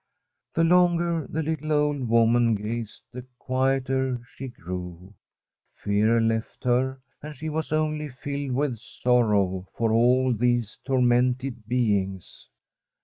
The longer the little old woman gazed the guieter she grew. Fear left her, and she was only nlled with sorrow for all these tormented beings.